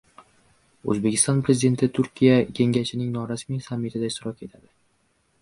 O‘zbekiston Prezidenti Turkiy kengashning norasmiy sammitida ishtirok etadi